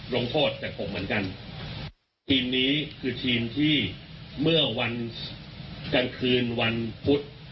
ลงโทษจากผมเหมือนกันทีมนี้คือทีมที่เมื่อวันกลางคืนวันพุธ